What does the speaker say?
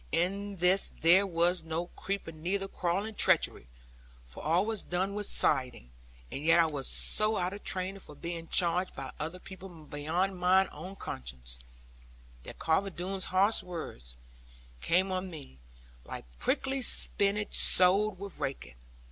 In this there was no creeping neither crawling treachery; for all was done with sliding; and yet I was so out of training for being charged by other people beyond mine own conscience, that Carver Doone's harsh words came on me, like prickly spinach sown with raking.